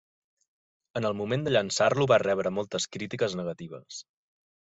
En el moment de llançar-lo va rebre moltes crítiques negatives.